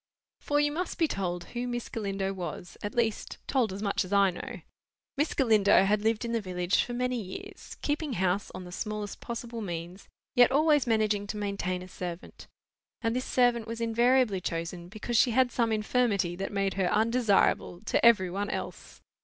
For, you must be told who Miss Galindo was; at least, told as much as I know. Miss Galindo had lived in the village for many years, keeping house on the smallest possible means, yet always managing to maintain a servant. And this servant was invariably chosen because she had some infirmity that made her undesirable to every one else.